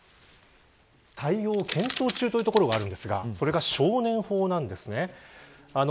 対応検討中というところがあるんですがそれが少年法なんです。